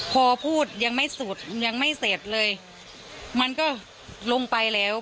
พอพูดยังไม่สุดยังไม่เสร็จเลยมันก็ลงไปแล้ว